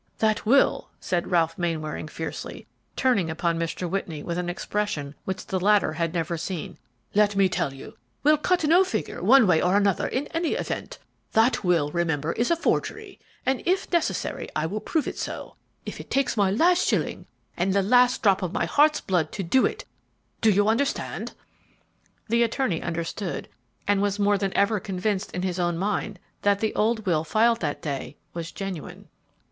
"That will," said Ralph Mainwaring, fiercely, turning upon Mr. Whitney with an expression which the latter had never seen, "let me tell you, will cut no figure one way or another in any event. That will, remember, is a forgery; and, if necessary, I will prove it so, if it takes my last shilling and the last drop of my heart's blood to do it; do you understand?" The attorney understood, and was more than ever convinced in his ow mind that the old will filed that day was genuine.